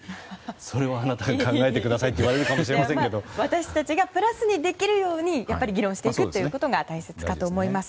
それはあなたが考えてくださいって私たちがプラスにできるように議論していくことが大切かと思います。